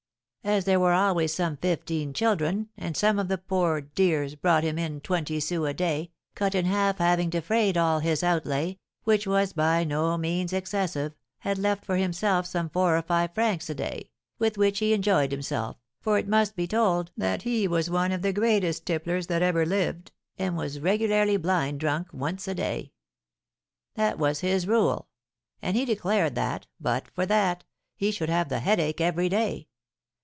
As there were always some fifteen children, and some of the poor dears brought him in twenty sous a day, Cut in Half having defrayed all his outlay, which was by no means excessive, had left for himself some four or five francs a day, with which he enjoyed himself, for it must be told that he was one of the greatest tipplers that ever lived, and was regularly blind drunk once a day. That was his rule; and he declared that, but for that, he should have the headache every day.